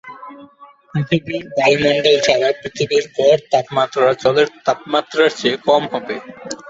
পৃথিবীর বায়ুমণ্ডল ছাড়া, পৃথিবীর গড় তাপমাত্রা জলের তাপমাত্রার চেয়ে কম হবে।